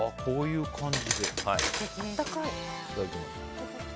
いただきます。